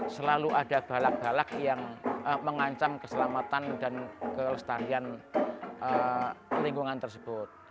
selalu ada balak balak yang mengancam keselamatan dan kelestarian lingkungan tersebut